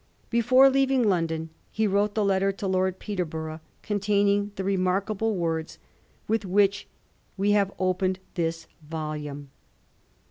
Before leaving London he wrote the letter to Lord Peterborough containing the remarkable words witii which we have opened this volume.